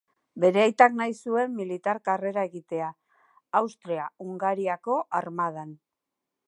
Bere aitak nahi zuen militar karrera egitea Austria-Hungariako armadan.